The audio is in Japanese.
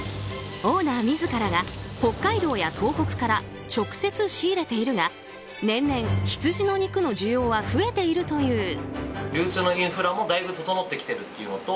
オーナー自らが北海道や東北から直接仕入れているが年々、羊の肉の需要は増えているという。